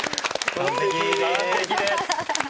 完璧です。